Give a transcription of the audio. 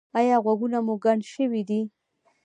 ایا غوږونه مو کڼ شوي دي؟